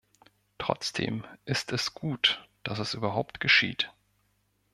Trotzdem ist es gut, dass es überhaupt geschieht.